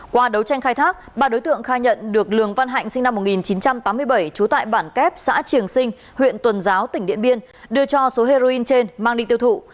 qua đấu tranh khai thác ba đối tượng khai nhận được lường văn hạnh sinh năm một nghìn chín trăm tám mươi bảy trú tại bản kép xã triềng sinh huyện tuần giáo tỉnh điện biên đưa cho số heroin trên mang đi tiêu thụ